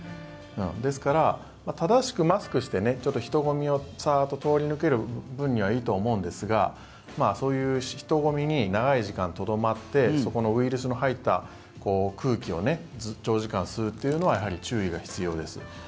ですから、正しくマスクをして人混みをサッと通り抜ける分にはいいと思うんですがそういう人混みに長い時間とどまってそこのウイルスの入った空気を長時間吸うというのはやはり注意が必要です。